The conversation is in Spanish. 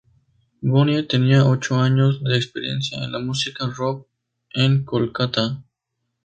Bonnie tenía ocho años de experiencia en la música rock en Kolkata.